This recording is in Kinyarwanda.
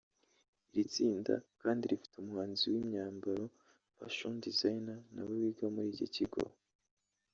Iri tsinda kandi rifite umuhanzi w’imyambaro (fashion designer) nawe wiga muri iki kigo